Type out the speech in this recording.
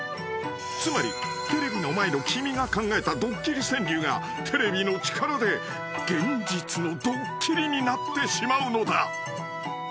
［つまりテレビの前の君が考えたドッキリ川柳がテレビの力で現実のドッキリになってしまうのだ］